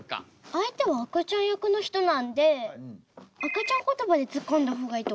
相手は赤ちゃん役の人なので赤ちゃんことばでツッコんだ方がいいと思います。